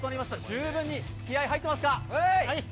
十分に気合い入ってますか？